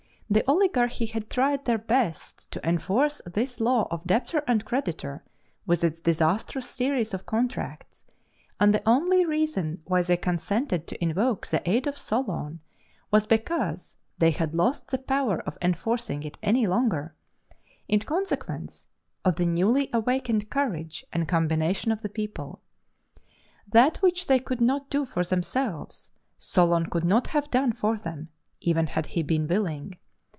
The oligarchy had tried their best to enforce this law of debtor and creditor with its disastrous series of contracts, and the only reason why they consented to invoke the aid of Solon was because they had lost the power of enforcing it any longer, in consequence of the newly awakened courage and combination of the people. That which they could not do for themselves, Solon could not have done for them, even had he been willing.